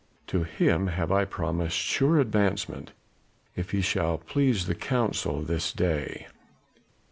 To him have I promised sure advancement if he shall please the Council this day."